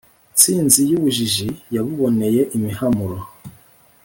ntsinzi y' ubujiji yabuboneye imihamuro,